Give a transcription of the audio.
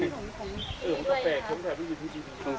ตัวแปลกตัวแปลกตัวที่จริง